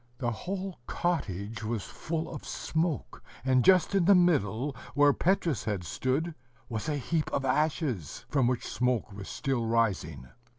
The whole cottage was full of smoke; and just in the middle, where Petrus had stood, was a heap of ashes, from which smoke was still rising.